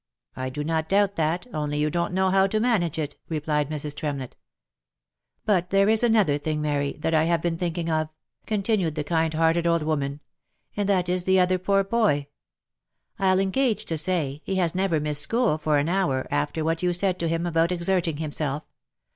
I do not doubt that — only you don't know how to manage it," replied Mrs. Tremlett. " But there is another thing, Mary, that I have been thinking of," continued the kind hearted old woman, " and that is the other poor boy. I'll engage to say, he has never missed school for an hour, after what you said to him about exerting himself.